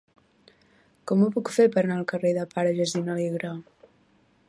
Com ho puc fer per anar al carrer del Pare Jacint Alegre?